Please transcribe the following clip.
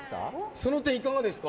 その点、いかがですか？